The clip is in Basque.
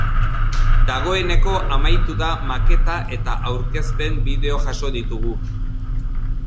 Dagoeneko amaitu da maketa eta aurkezpen bideo jaso ditugu.